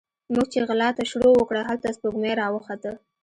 موږ چې غلا ته شروع وکړه، هلته سپوږمۍ راوخته